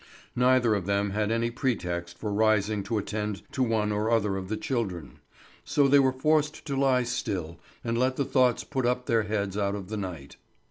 Neither of them had any pretext for rising to attend to one or other of the children; so they were forced to lie still and let the thoughts put up their heads out of the night.